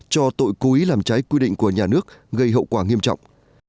cho tội cố ý làm trái quy định của nhà nước gây hậu quả nghiêm trọng